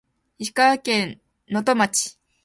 石川県能登町